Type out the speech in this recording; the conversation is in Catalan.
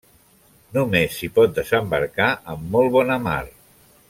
Només s'hi pot desembarcar amb molt bona mar.